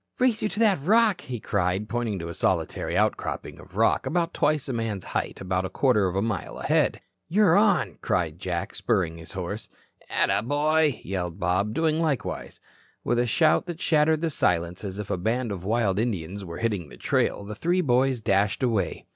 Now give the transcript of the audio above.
"Race you to that rock," he cried, pointing to a solitary outcropping of rock, about twice a man's height, about a quarter of a mile ahead. "You're on," cried Jack, spurring his horse. "Attaboy," yelled Bob, doing likewise. With a shout that shattered the silence as if a band of wild Indians were hitting the trail, the three boys dashed away.